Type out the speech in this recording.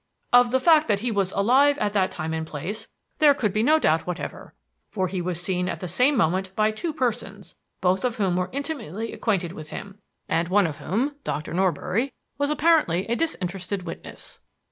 Of the fact that he was alive at that time and place there could be no doubt whatever; for he was seen at the same moment by two persons, both of whom were intimately acquainted with him, and one of whom, Doctor Norbury, was apparently a disinterested witness.